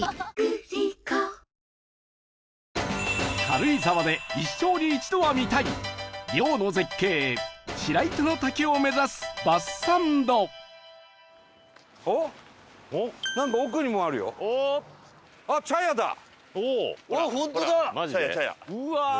軽井沢で一生に一度は見たい涼の絶景白糸の滝を目指すバスサンドうわー！